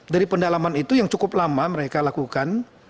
dari pendalaman itu yang cukup lama mereka lakukan